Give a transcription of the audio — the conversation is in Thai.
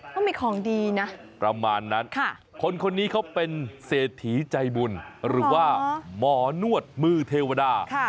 ก็มีของดีนะประมาณนั้นคนคนนี้เขาเป็นเศรษฐีใจบุญหรือว่าหมอนวดมือเทวดา